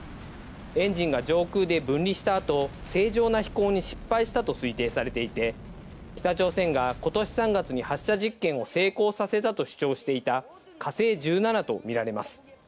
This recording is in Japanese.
エンジンが上空で分離したあと、正常な飛行に失敗したと推定されていて、北朝鮮がことし３月に発射実験を成功させたと主張していた火星１７と見られます。